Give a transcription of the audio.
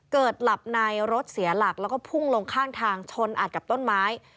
หลับในรถเสียหลักแล้วก็พุ่งลงข้างทางชนอัดกับต้นไม้